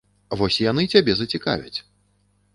Вось яны цябе зацікавяць.